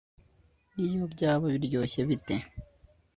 n'iyo byaba biryoshye bite